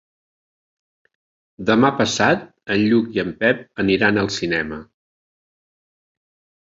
Demà passat en Lluc i en Pep aniran al cinema.